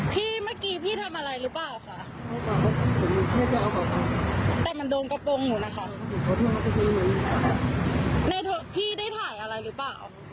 พี่ได้ถ่ายอะไรหรือเปล่า